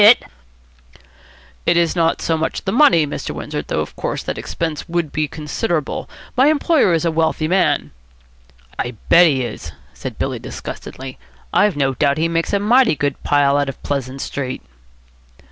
"It is not so much the money, Mr. Windsor, though, of course, the expense would be considerable. My employer is a wealthy man." "I bet he is," said Billy disgustedly. "I've no doubt he makes a mighty good pile out of Pleasant Street."